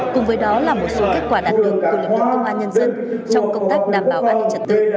cùng với đó là một số kết quả đạt được của lực lượng công an nhân dân trong công tác đảm bảo an ninh trật tự